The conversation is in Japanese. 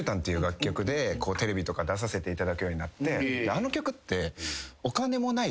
あの曲って。